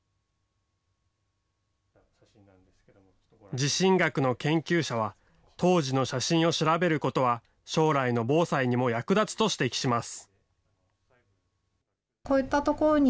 地震学の研究者は、当時の写真を調べることは将来の防災にも役立つと指摘します。